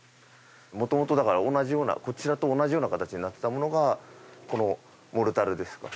もともとだから同じようなこちらと同じような形になっていたものがこのモルタルですか。